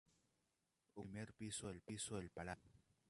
Ocupa el primer piso del palacio.